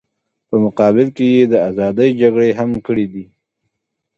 په مقابل کې یې د ازادۍ جګړې هم کړې دي.